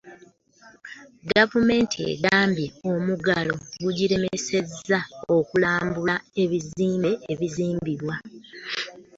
Gavumenti egambye omuggalo gugiremesezza okulambula ebizimbe ebizimbibwa